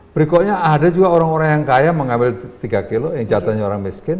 berikutnya ada juga orang orang yang kaya mengambil tiga kilo yang jatahnya orang miskin